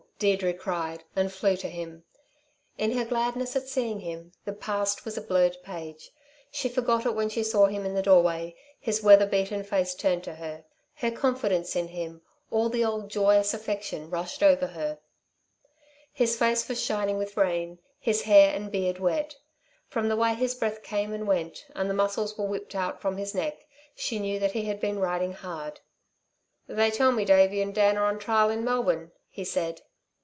Deirdre cried, and flew to him. In her gladness at seeing him the past was a blurred page. She forgot it when she saw him in the doorway, his weather beaten face turned to her. Her confidence in him, all the old joyous affection, rushed over her. His face was shining with rain, his hair and beard wet. From the way his breath came and went, and the muscles were whipped out from his neck, she knew that he had been riding hard. "They tell me Davey and Dan are on trial in Melbourne," he said.